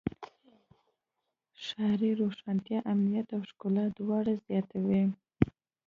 ښاري روښانتیا امنیت او ښکلا دواړه زیاتوي.